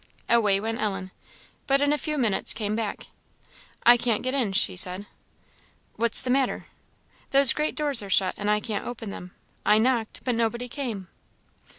Away went Ellen, but in a few minutes came back. "I can't get in," she said. "What's the matter?" "Those great doors are shut, and I can't open them. I knocked, but nobody came."